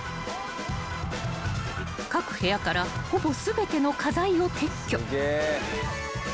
［各部屋からほぼ全ての家財を撤去］